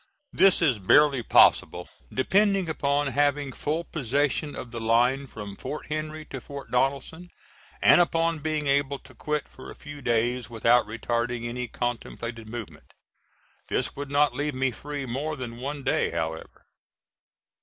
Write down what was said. This is barely possible, depending upon having full possession of the line from Fort Henry to Fort Donelson, and upon being able to quit for a few days without retarding any contemplated movement. This would not leave me free more than one day however.